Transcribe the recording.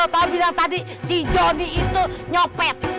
tau bilang tadi si joni itu nyopet